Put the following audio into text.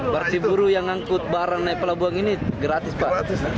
berarti buruh yang ngangkut barang naik pelabuhan ini gratis pak